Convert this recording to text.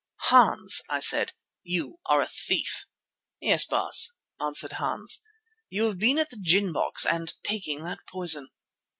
"Hans," I said, "you are a thief." "Yes, Baas," answered Hans. "You have been at the gin box and taking that poison."